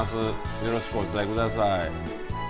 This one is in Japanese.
よろしくお伝えください。